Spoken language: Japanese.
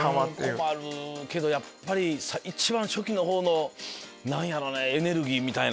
困るけどやっぱり一番初期のほうの何やろねエネルギーみたいな。